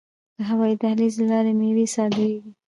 د هوایی دهلیز له لارې میوې صادریږي.